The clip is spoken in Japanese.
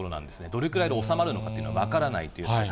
どれくらいで収まるのかというのは分からないという。